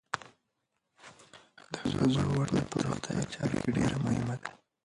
د ښځو ونډه په روغتیايي چارو کې ډېره مهمه ده.